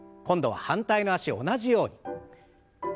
今度は反対の脚を同じように。